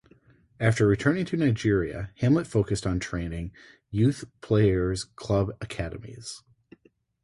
After returning to Nigeria Hamlet focused on training youth players club academies.